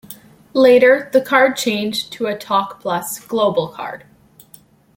Later the card changed to a TalkPlus Global card.